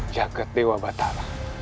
jagad dewa batara